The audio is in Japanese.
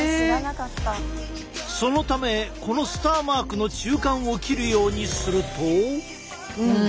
そのためこのスターマークの中間を切るようにすると。